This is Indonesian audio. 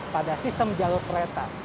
pada sistem jalur kereta